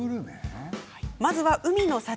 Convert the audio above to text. まずは、海の幸。